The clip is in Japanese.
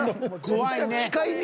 ［怖いね］